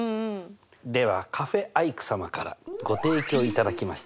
ではカフェ・アイク様からご提供いただきました